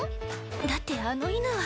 だってあの犬は。